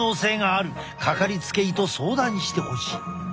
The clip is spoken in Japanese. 掛かりつけ医と相談してほしい。